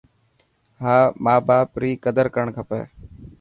ها باپ ري قدر ڪرڻ کپي.